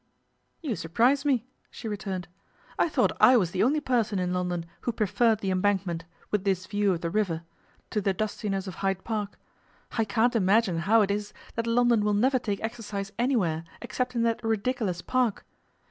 'You surprise me,' she returned. 'I thought I was the only person in London who preferred the Embankment, with this view of the river, to the dustiness of Hyde Park. I can't imagine how it is that London will never take exercise anywhere except in that ridiculous Park.